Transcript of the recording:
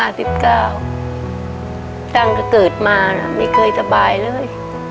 ตั้งแต่เกิดมาไม่เคยสบายเลย